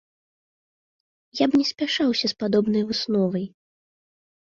Я б не спяшаўся з падобнай высновай.